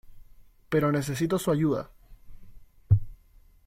Pero necesito su ayuda.